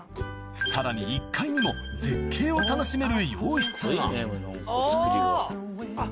さらに１階にも絶景を楽しめる洋室があぁ！